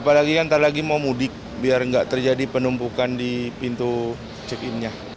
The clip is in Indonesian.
apalagi nanti lagi mau mudik biar gak terjadi penumpukan di pintu check in